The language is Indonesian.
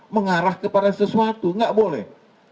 mengarah kepada sesuatu nggak boleh